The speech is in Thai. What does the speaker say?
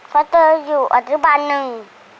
เพราะเธออยู่อนุบันหนึ่ง